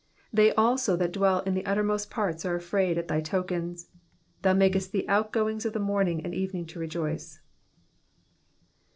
8 They also that dwell in the uttermost parts are afraid at thy tokens : thou makest the outgoings of the morning and evening to rejoice.